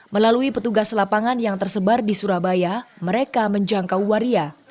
melalui petugas lapangan yang tersebar di surabaya mereka menjangkau waria